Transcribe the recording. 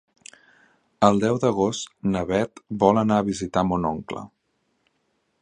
El deu d'agost na Bet vol anar a visitar mon oncle.